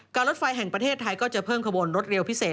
รถไฟแห่งประเทศไทยก็จะเพิ่มขบวนรถเร็วพิเศษ